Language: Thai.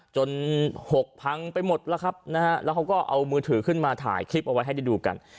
หกพังไปหมดแล้วครับนะฮะแล้วเขาก็เอามือถือขึ้นมาถ่ายคลิปเอาไว้ให้ได้ดูกัน